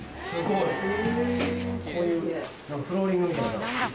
すごい。